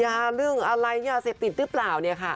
อย่าเรื่องอะไรเนี่ยเสพติดหรือเปล่าเนี่ยค่ะ